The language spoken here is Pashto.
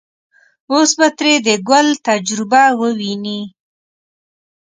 اوس به ترې د ګل تجربه وويني.